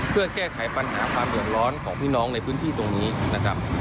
เพื่อแก้ไขปัญหาความเดือดร้อนของพี่น้องในพื้นที่ตรงนี้นะครับ